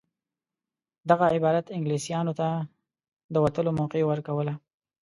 دغه عبارت انګلیسیانو ته د وتلو موقع ورکوله.